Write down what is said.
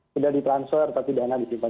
sudah di transfer tapi dana disimpan